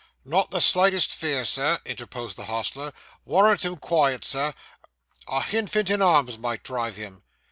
'Not the slightest fear, Sir,' interposed the hostler. 'Warrant him quiet, Sir; a hinfant in arms might drive him.